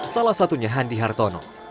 salah satunya handi hartono